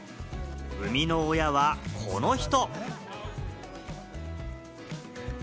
生みの親はこの人。